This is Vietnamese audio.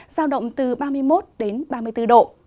giao động từ ba mươi một đến ba mươi bốn độ